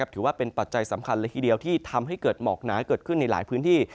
ถือว่าเป็นปัจจัยสำคัญเลยทีเดียวที่ทำให้เกิดหมอกหนาเกิดขึ้นในหลายพื้นที่